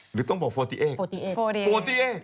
หรือต้องบอก๔๘